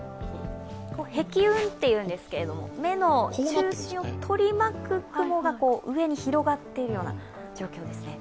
壁雲っていうんですけど、目の中心を取り巻くようなこう、上に広がっているような状況ですね。